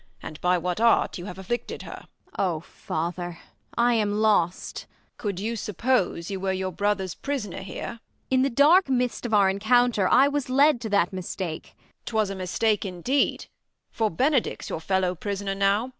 And by what art you have afflicted her. Ang. Oh, Father, I am lost ! Fri. Tho. Could you suppose You were your brother s prisoner here 1 Ang. In the dark mist of our encounter, I was led to that mistake. Fry. Tho. 'Twas a mistake indeed ; For Benedick's your fellow prisoner now.